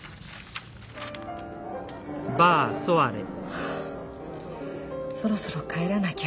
はあそろそろ帰らなきゃ。